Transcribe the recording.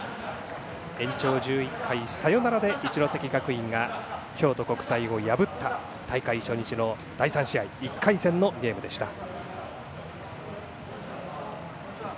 延長１１回サヨナラで一関学院が京都国際を破った大会初日の第３試合１回戦のゲームでした。